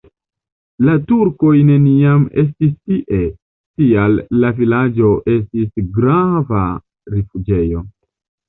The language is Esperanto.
La turkoj neniam estis tie, tial la vilaĝo estis grava rifuĝejo.